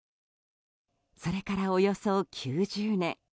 それから、およそ９０年。